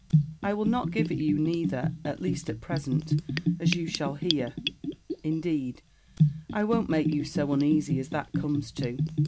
I will not give it you neither, at least at present, as you shall hear: indeed I won't make you so uneasy as that comes to.